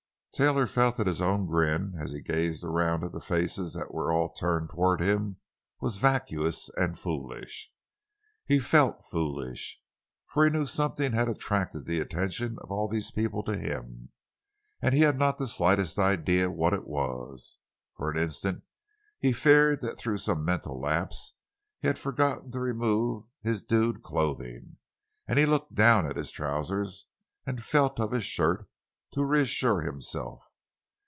Taylor felt that his own grin, as he gazed around at the faces that were all turned toward him, was vacuous and foolish. He felt foolish. For he knew something had attracted the attention of all these people to him, and he had not the slightest idea what it was. For an instant he feared that through some mental lapse he had forgotten to remove his "dude" clothing; and he looked down at his trousers and felt of his shirt, to reassure himself.